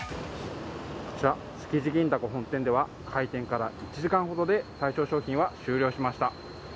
こちら築地銀だこ本店では開店から１時間ほどで対象商品は終了しました。